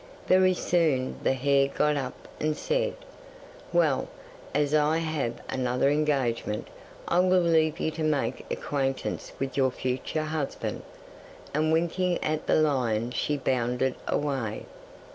'Very soon the hare got up and said, "Well, as I have another engagement I will leave you to make acquaintance with your future husband," and winking at the lion she bounded away.